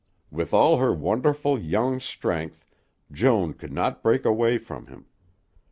With all her wonderful young strength, Joan could not break away from him.